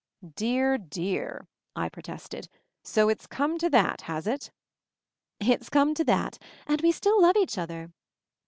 / "Dear, dear!" I protested. So it's come to that, has it?" "It's come to that — and we still love each other!"